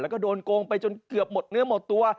แล้วก็โดนโกงไปจนเกือบหมดเนื้อหมดตัว